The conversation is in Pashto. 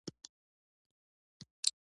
• د ورځې روښانه اسمان د نوې ورځې زیری دی.